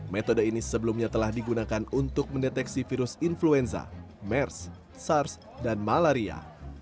metode ini sebelumnya telah digunakan untuk mendeteksi virus influenza mers sars dan malaria